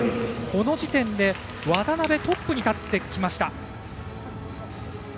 この時点で渡部トップに立ってきました。